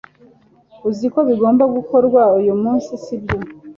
Uzi ko bigomba gukorwa uyu munsi sibyo